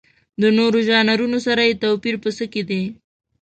د نورو ژانرونو سره یې توپیر په څه کې دی؟